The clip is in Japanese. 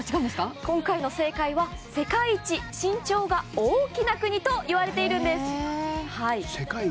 今回の正解は世界一身長が大きな国といわれているんです。